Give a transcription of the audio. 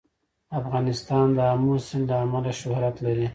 افغانستان د آمو سیند له امله شهرت لري.